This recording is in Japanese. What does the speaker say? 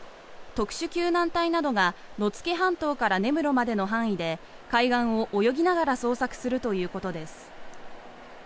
特殊救難隊などが野付半島から根室までの範囲で海岸を泳ぎながら捜索するということです。